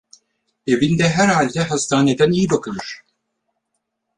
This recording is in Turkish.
Evinde herhalde hastaneden iyi bakılır!